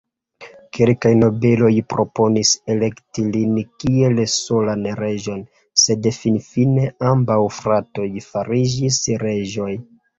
Kelkaj nobeloj proponis elekti lin kiel solan reĝon, sed finfine ambaŭ fratoj fariĝis reĝoj.